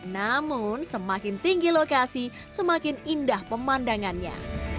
namun semakin tinggi lokasi semakin indah pemandangannya